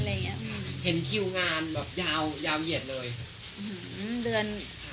เห็นคิวงานยาวเหยียดเลย